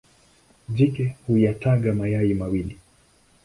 Jike huyataga mayai mawili.